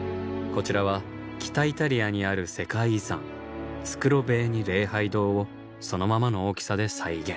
こちらは北イタリアにある世界遺産スクロヴェーニ礼拝堂をそのままの大きさで再現。